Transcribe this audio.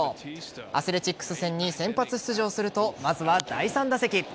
アスレチックス戦に先発出場するとまずは第３打席。